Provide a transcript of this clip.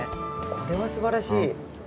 これは素晴らしい！